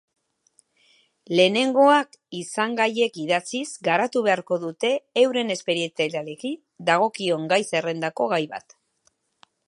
Lehenengoan izangaiek idatziz garatu beharko dute euren espezialitateari dagokion gai zerrendako gai bat.